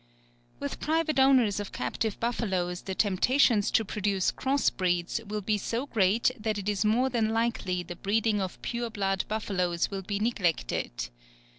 With private owners of captive buffaloes, the temptations to produce cross breeds will be so great that it is more than likely the breeding of pure blood buffaloes will be neglected.